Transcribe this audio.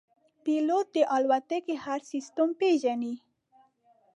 پیلوټ د الوتکې هر سیستم پېژني.